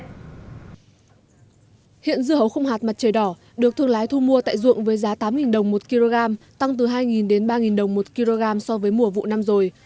hiện dưa hấu không hạt mặt trời đỏ được thương lái thu mua tại ruộng với giá tám đồng một kg tăng từ hai đến ba đồng một kg so với mùa vụ năm rồi